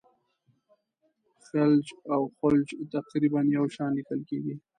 خلج او خُلُّخ تقریبا یو شان لیکل کیږي.